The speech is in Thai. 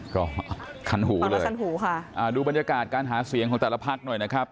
ก็คันหูเลยคันหูค่ะอ่าดูบรรยากาศการหาเสียงของแต่ละพักหน่อยนะครับ